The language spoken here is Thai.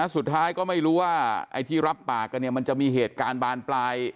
สุดท้ายก็ไม่รู้ว่าไอ้ที่รับปากกันเนี่ยมันจะมีเหตุการณ์บานปลาย